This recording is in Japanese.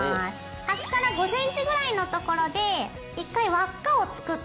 端から５ｃｍぐらいのところで１回輪っかを作って。